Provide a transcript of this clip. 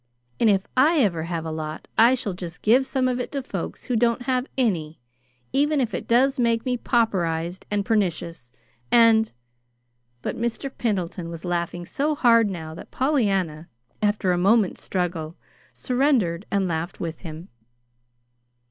And if I ever have a lot I shall just give some of it to folks who don't have any, even if it does make me pauperized and pernicious, and " But Mr. Pendleton was laughing so hard now that Pollyanna, after a moment's struggle, surrendered and laughed with him.